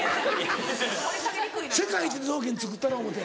世界一の雑巾作ったろ思うて。